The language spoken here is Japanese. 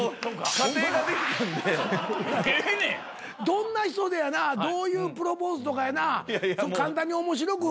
どんな人でやなどういうプロポーズとかやな簡単に面白く。